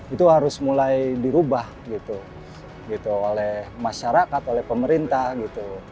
itu harus mulai dirubah gitu oleh masyarakat oleh pemerintah gitu